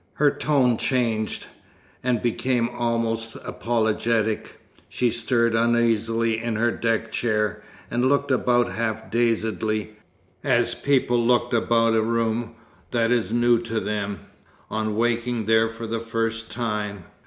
Her tone changed, and became almost apologetic. She stirred uneasily in her deck chair, and looked about half dazedly, as people look about a room that is new to them, on waking there for the first time.